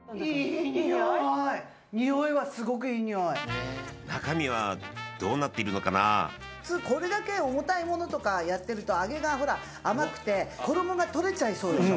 においはすごくいいにおい普通これだけ重たいものとかやってると揚げがほら甘くて衣が取れちゃいそうでしょ？